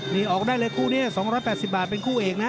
นี่ออกได้เลยคู่นี้๒๘๐บาทเป็นคู่เอกนะ